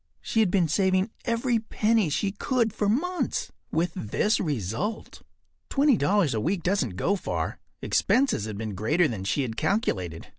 She had been saving every penny she could for months, with this result. Twenty dollars a week doesn’t go far. Expenses had been greater than she had calculated.